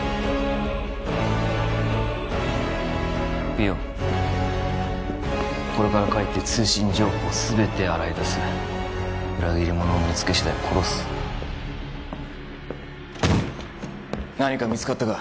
ピヨこれから帰って通信情報を全て洗い出す裏切り者を見つけしだい殺す何か見つかったか？